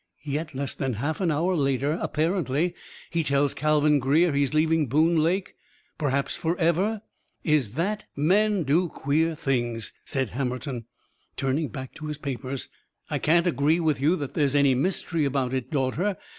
Yet less than half an hour later, apparently, he tells Calvin Greer he's leaving Boone Lake perhaps forever. Is that " "Men do queer things," said Hammerton, turning back to his papers. "I can't agree with you that there's any mystery about it, daughter.